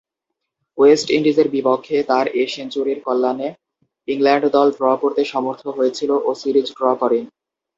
West ইন্ডিজের বিপক্ষে তার এ সেঞ্চুরির কল্যাণে ইংল্যান্ড দল ড্র করতে সমর্থ হয়েছিল ও সিরিজ ড্র করে।